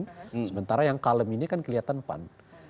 sementara yang kalem ini kan kelihatan pan